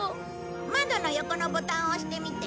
窓の横のボタンを押してみて。